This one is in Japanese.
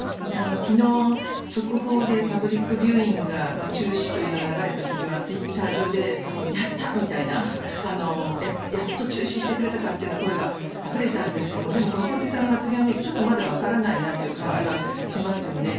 昨日、速報でパブリックビューイングは中止というのが流れた時にはツイッター上でやった！みたいなやっと中止してくれたかという声があふれていたんですがでも、小池さんの発言を見るとちょっとまだわからないなという感じがしますよね。